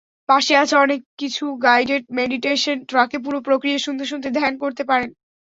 পাশে আছে অনেক কিছুগাইডেড মেডিটেশন ট্র্যাকে পুরো প্রক্রিয়া শুনতে শুনতে ধ্যান করতে পারেন।